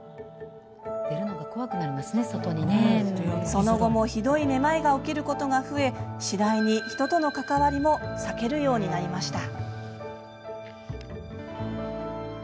その後もひどいめまいが起きることが増え次第に人との関わりも避けるようになりました。